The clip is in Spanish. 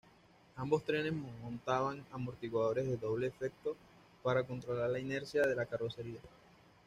Ambos trenes montaban amortiguadores de doble efecto para controlar la inercia de la carrocería.